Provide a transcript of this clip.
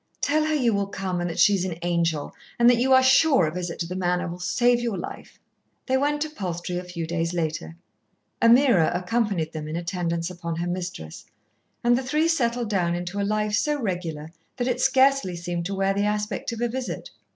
"Tell her you will come and that she is an angel, and that you are sure a visit to the Manor will save your life." They went to Palstrey a few days later. Ameerah accompanied them in attendance upon her mistress, and the three settled down into a life so regular that it scarcely seemed to wear the aspect of a visit.